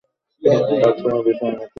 এক সময় বিছানায় নেতিয়ে পড়ল।